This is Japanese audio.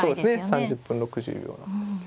３０分６０秒なんですけど。